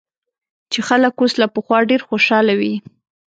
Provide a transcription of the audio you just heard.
چې خلک اوس له پخوا ډېر خوشاله وي